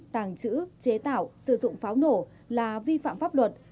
tàng trữ chế tạo sử dụng pháo nổ là vi phạm pháp luật